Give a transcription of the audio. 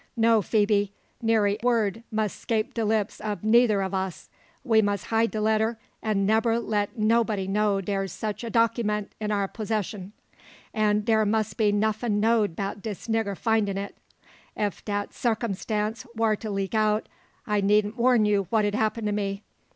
No, Phoebe, neery word must 'scape de lips ob eider o' us. We muss hide de letter, an' nebba let nob'dy know dar's sich a dockyment in our posseshun. And dar must be nuffin' know'd 'bout dis nigga findin' it. Ef dat sakumstance war to leak out, I needn't warn you what 'ud happen to me.